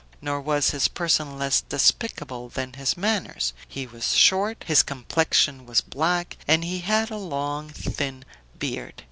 Nor was his person less despicable than his manners; he was short, his complexion was black, and he had a long, thin beard.